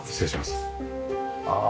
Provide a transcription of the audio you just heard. ああ。